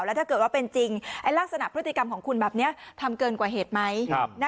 แล้วถ้าเกิดว่าเป็นจริงลักษณะพฤติกรรมของคุณแบบนี้ทำเกินกว่าเหตุไหม